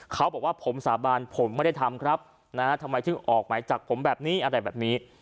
เขาบอกว่าผมสาบานผมไม่ได้ทำครับนะฮะทำไมถึงออกหมายจับผมแบบนี้อะไรแบบนี้